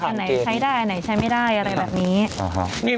อันไหนใช้ได้อันไหนใช้ไม่ได้อะไรแบบนี้